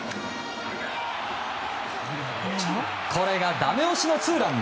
これがダメ押しのツーラン！